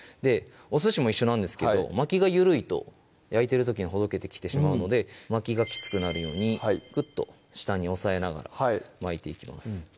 おすしも一緒なんですけど巻きが緩いと焼いてる時にほどけてきてしまうので巻きがキツくなるようにクッと下に押さえながら巻いていきます